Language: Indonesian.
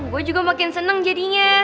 gue juga makin seneng jadinya